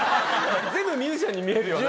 全部ミュージシャンに見えるよな。